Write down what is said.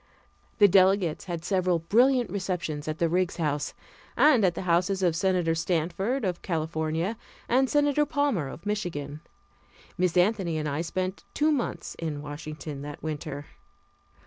The delegates had several brilliant receptions at the Riggs House, and at the houses of Senator Stanford of California and Senator Palmer of Michigan. Miss Anthony and I spent two months in Washington, that winter.